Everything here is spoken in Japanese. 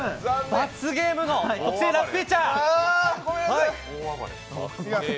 罰ゲームの特製ラッピー茶。